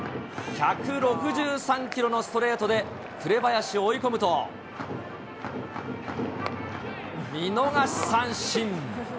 １６３キロのストレートで紅林を追い込むと、見逃し三振。